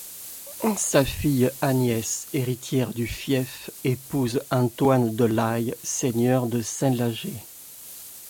Sa fille Agnès, héritière du fief, épouse Antoine de Laye, seigneur de Saint-Lager.